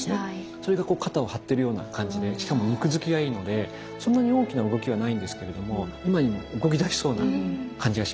それがこう肩を張ってるような感じでしかも肉づきがいいのでそんなに大きな動きはないんですけれども今にも動きだしそうな感じがしますよね。